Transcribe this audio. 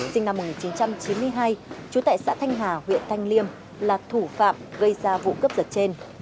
sinh năm một nghìn chín trăm chín mươi hai trú tại xã thanh hà huyện thanh liêm là thủ phạm gây ra vụ cướp giật trên